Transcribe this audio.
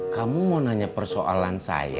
kamu mau nanya persoalan saya